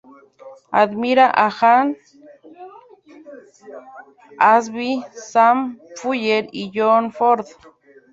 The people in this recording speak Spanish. Admira a Hal Ashby, Sam Fuller y John Ford.